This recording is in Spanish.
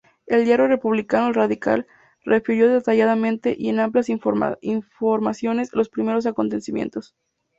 El diario republicano "El Radical" refirió detalladamente y en amplias informaciones los primeros acontecimientos.